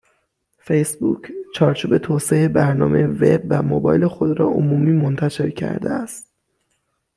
فیسبوک، چارچوب توسعه برنامه وب و موبایل خود را عمومی منتشر کرده است